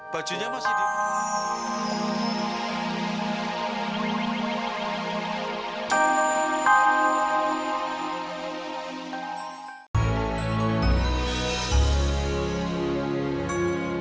bajunya masih di